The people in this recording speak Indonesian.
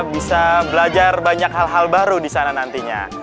bisa belajar banyak hal hal baru di sana nantinya